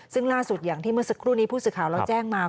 ซึ่งล่าสุดอย่างที่เมื่อสักครู่นี้ผู้สื่อข่าวเราแจ้งมา